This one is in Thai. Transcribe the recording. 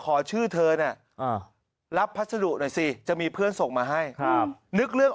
ขอชื่อเธอเนี่ยรับพัสดุหน่อยสิจะมีเพื่อนส่งมาให้ครับนึกเรื่อง